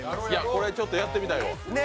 これ、ちょっとやってみたいわ。